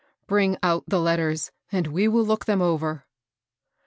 ^^ Bring out the letters, and we will lode them over."